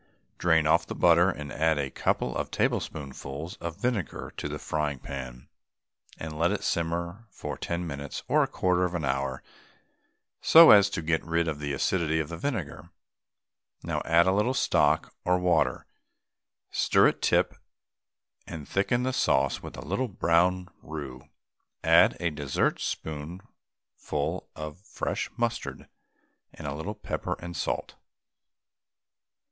Drain off the butter and add a couple of tablespoonfuls of vinegar to the frying pan, and let it simmer for ten minutes or a quarter of an hour so as to get rid of the acidity of the vinegar. Now add a very little stock or water, stir it tip, and thicken the sauce with a little brown roux. Add a dessertspoonful of fresh mustard and a little pepper and salt.